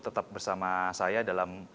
tetap bersama saya dalam